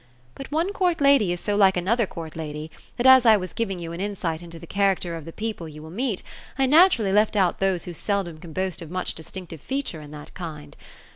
^' But one court lady is so like another court lady, that as I was giving you an insight into the character of the people you will meet, I naturally left out those who seldom can boast of much distinc tive feature in that kind.